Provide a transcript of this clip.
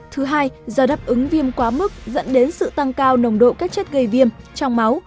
thứ hai do đáp ứng viêm quá mức dẫn đến sự tăng cao nồng độ các chất gây viêm trong máu